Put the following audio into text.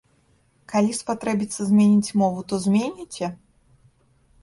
Калі спатрэбіцца змяніць мову, то зменіце?